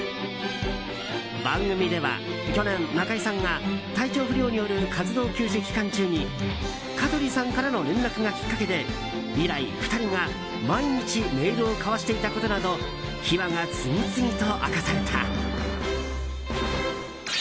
番組では去年、中居さんが体調不良による活動休止期間中に香取さんからの連絡がきっかけで以来、２人が毎日メールを交わしていたことなど秘話が次々と明かされた。